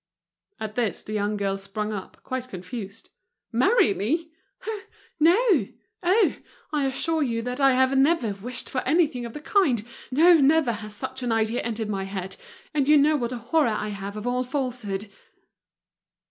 At this the young girl sprung up, quite confused: "Marry me! Oh! no! Oh! I assure you that I have never wished for anything of the kind! No, never has such an idea entered my head; and you know what a horror I have of all falsehood!"